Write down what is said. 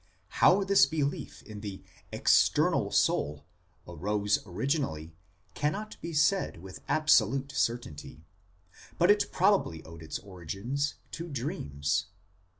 How this belief in the " external soul " arose originally cannot be said with absolute certainty ; but it probably owed its origin to dreams.